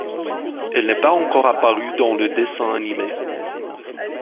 Elle n'est pas encore apparue dans le dessin animé.